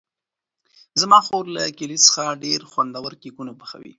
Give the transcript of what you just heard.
زما خور له کیلې څخه ډېر خوندور کېکونه پخوي.